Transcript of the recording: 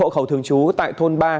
hộ khẩu thường trú tại thôn ba